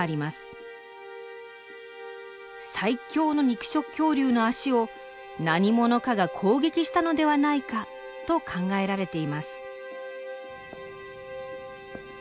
最強の肉食恐竜の脚を何者かが攻撃したのではないかと考えられています。